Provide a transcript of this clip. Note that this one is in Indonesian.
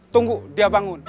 tunggu dia bangun